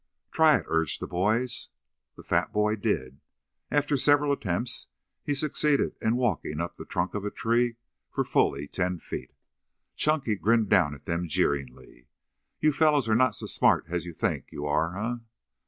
"Try it," urged the boys. The fat boy did. After several attempts he succeeded in walking up the trunk of a tree for fully ten feet. Chunky grinned down at them jeeringly. "You fellows are not so smart as you think you are, eh?